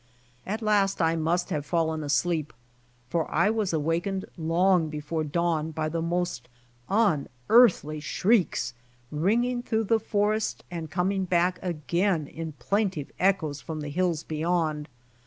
At last I mustihave fallen asleep, for 1 was awakened long before dawn by the most unearthly shrieks ringing through . the forest and coming back again in plaintive echoes from the hills beyond.